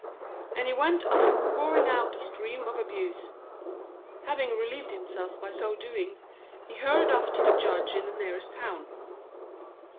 And he went on pouring out a stream of abuse. Having relieved himself by so doing, he hurried off to the Judge in the nearest town.